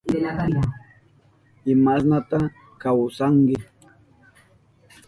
¿Imashnata kawsanki?